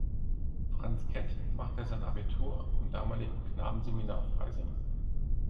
Franz Kett machte sein Abitur im damaligen Knabenseminar Freising.